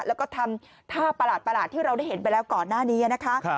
แล้วก็ทำท่าประหลาดที่เราได้เห็นไปแล้วก่อนหน้านี้นะคะ